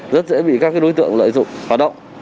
rất dễ bị các đối tượng lợi dụng hoạt động